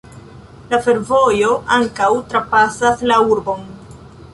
La fervojo ankaŭ trapasas la urbon.